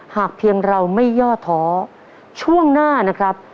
หากเพียงเราไม่ย่อท้อช่วงหน้านะครับ